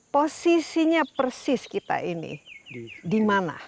posisinya persis kita ini di mana